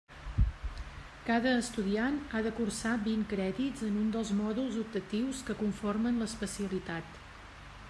Cada estudiant ha de cursar vint crèdits en un dels mòduls optatius que conformen l'especialitat.